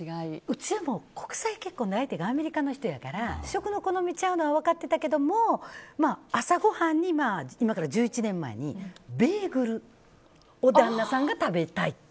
うちは国際結婚で相手がアメリカの人やから食の好みがちゃうのは分かってたけども朝ごはんに今から１１年前にベーグルを旦那さんが食べたいと。